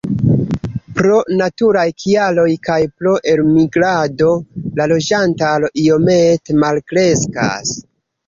Pro naturaj kialoj kaj pro elmigrado la loĝantaro iomete malkreskas.